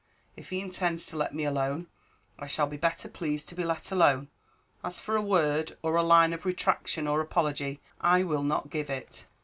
If he intends to let me alone, I shall be better pleased to be let alone; as for a word, or a line of retractation or apology, I will not give it."